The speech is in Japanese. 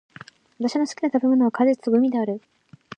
私の好きな食べ物は果物とグミである。